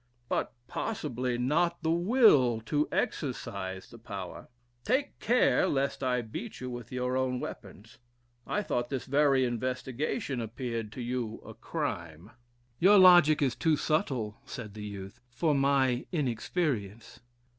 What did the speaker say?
"But, possibly, not the will to exercise the power. Take care lest I beat you with your own weapons. I thought this very investigation appeared to you a crime?" "Your logic is too subtle," said the youth, "for my inexperience."